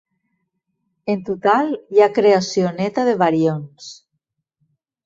En total, hi ha creació neta de barions.